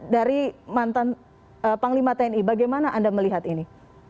dari mantan panglima tni bagaimana anda melihat ini